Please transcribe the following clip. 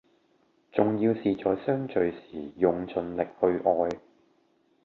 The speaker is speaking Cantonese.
重要是在相聚時用盡力量去愛